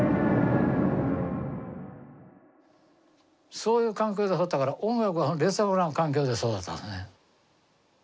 そういう環境で育ったから音楽は劣悪な環境で育ったんですね。